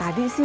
jadi dia osok